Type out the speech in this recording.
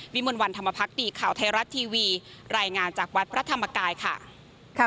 มนต์วันธรรมพักดีข่าวไทยรัฐทีวีรายงานจากวัดพระธรรมกายค่ะ